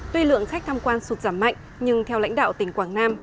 tuy lượng khách tham quan sụt giảm mạnh nhưng theo lãnh đạo tỉnh quảng nam